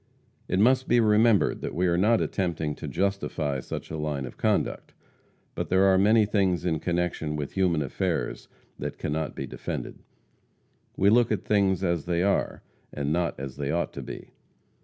It must be remembered that we are not attempting to justify such a line of conduct; but there are many things in connection with human affairs that cannot be defended. We look at things as they are, and not as they ought to be.